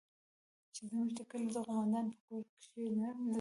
چې زموږ د کلي د قومندان په کور کښې نڅېده.